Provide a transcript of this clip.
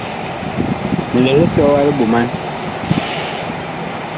Mi lɛ lisɔ a liɓoman.